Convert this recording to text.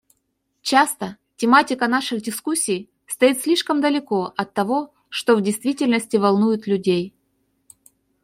Часто тематика наших дискуссий стоит слишком далеко от того, что в действительности волнует людей.